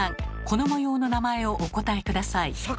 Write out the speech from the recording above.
この模様の名前をお答え下さい。